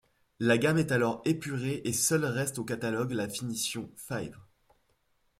La gamme est alors épurée et seule reste au catalogue la finition Five.